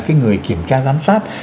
cái người kiểm tra giám sát